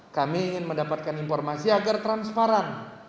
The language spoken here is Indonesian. kami ingin mendapatkan informasi agar transparan